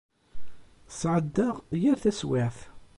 Sεeddaɣ yir taswiεt.